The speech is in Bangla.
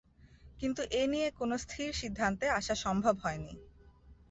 কিন্তু এ নিয়ে কোন স্থির সিদ্ধান্তে আসা সম্ভব হয়নি।